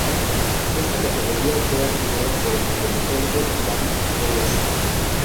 Esta categoría fue acuñada por el politólogo David Easton.